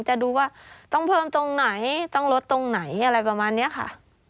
จะดูว่าต้องเพิ่มตรงไหนต้องลดตรงไหนอะไรประมาณนี้ค่ะ